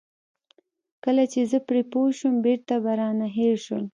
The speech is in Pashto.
کله چې زه پرې پوه شوم بېرته به رانه هېر شول.